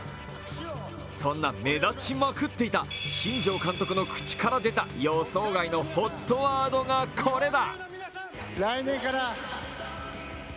そんな目立ちまくっていた新庄監督の口から出た予想外のＨＯＴワードがこれだ！